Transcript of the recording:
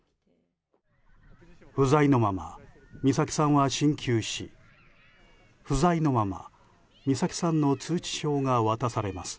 不在のまま美咲さんは進級し不在のまま美咲さんの通知表が渡されます。